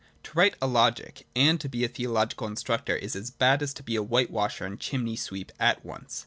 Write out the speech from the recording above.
To write a logic and to be theological instructor is as bad as to be white washer and chimney sweep at once.'